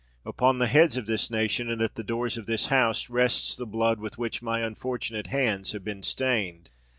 Upon the heads of this nation, and at the doors of this House, rests the blood with which my unfortunate hands have been stained!"